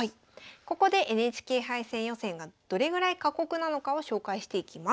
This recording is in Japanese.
ここでＮＨＫ杯戦予選がどれぐらい過酷なのかを紹介していきます。